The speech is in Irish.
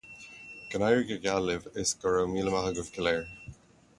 Go n-éirí go geal libh is go raibh míle maith agaibh go léir